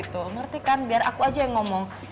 tuh ngerti kan biar aku aja yang ngomong